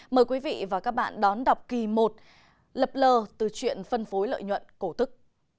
mời quý vị và các bạn đón đọc kỳ một lập lờ từ chuyện phân phối lợi nhuận cổ tức